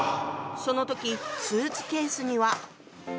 その時スーツケースには。